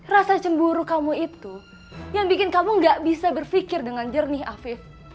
rasa cemburu kamu itu yang bikin kamu gak bisa berpikir dengan jernih afif